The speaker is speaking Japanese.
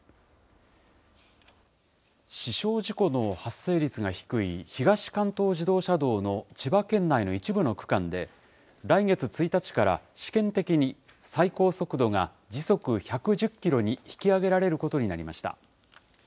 死傷事故の発生率が低い東関東自動車道の千葉県内の一部の区間で、来月１日から試験的に最高速度が時速１１０キロに引き上げられることになりました。